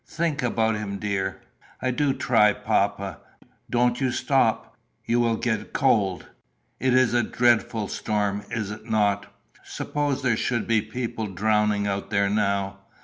Think about him, dear." "I do try, papa. Don't you stop; you will get cold. It is a dreadful storm, is it not? Suppose there should be people drowning out there now!"